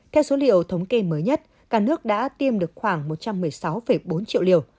theo số liệu thống kê mới nhất cả nước đã tiêm được khoảng một trăm một mươi sáu bốn triệu liều